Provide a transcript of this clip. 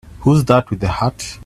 Who's that with the hat?